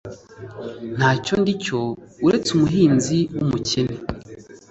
Ntacyo ndicyo uretse umuhinzi wumukene